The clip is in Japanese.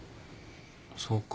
そうか？